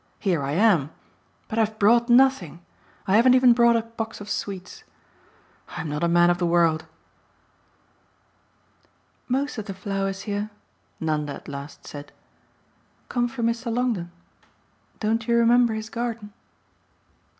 Here I am. But I've brought nothing. I haven't even brought a box of sweets. I'm not a man of the world." "Most of the flowers here," Nanda at last said, "come from Mr. Longdon. Don't you remember his garden?"